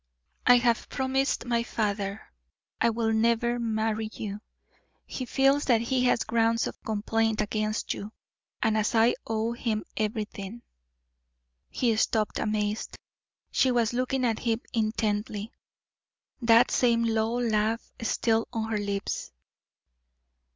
"I have promised my father I will never marry you. He feels that he has grounds of complaint against you, and as I owe him everything " He stopped amazed. She was looking at him intently, that same low laugh still on her lips.